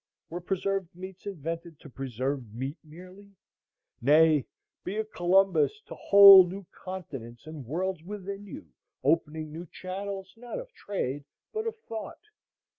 Were preserved meats invented to preserve meat merely? Nay, be a Columbus to whole new continents and worlds within you, opening new channels, not of trade, but of thought.